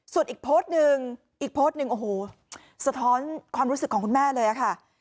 ส่วนอีกโพสต์นึงสะท้อนความรู้สึกของคุณแม่เลยค่ะ